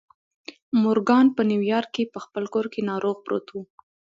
مورګان په نيويارک کې په خپل کور کې ناروغ پروت و.